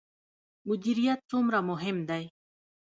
مدیریت څومره مهم دی؟